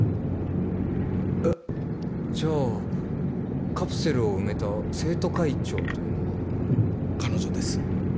えっじゃあカプセルを埋めた生徒会長というのは。彼女です。